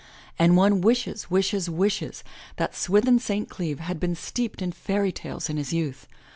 And one wishes, wishes, wishes, that Swithin St. Cleeve had been steeped in fairy tales in his youth.